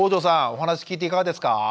お話聞いていかがですか？